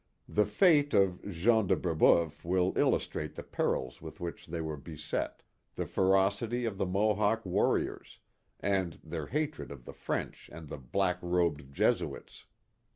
The fate of Jean de Brebeuf will illustrate the perils with which they were beset, the ferocity of the Mohawk warriors, and their hatred of the French and the black robed *' Jesuits.